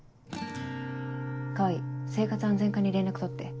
川合生活安全課に連絡取って。